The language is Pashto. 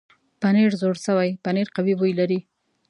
پنېر زوړ شوی پنېر قوي بوی لري.